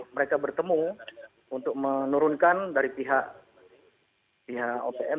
mereka bertemu untuk menurunkan dari pihak opm